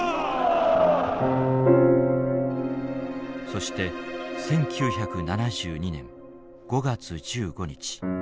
そして１９７２年５月１５日。